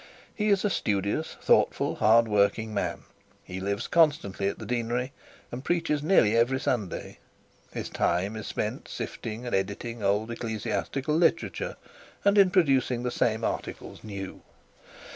He is a studious, thoughtful, hard working man. He lives constantly at the deanery and preaches nearly every Sunday. His time is spent in sifting and editing old ecclesiastical literature and in producing the same articles new.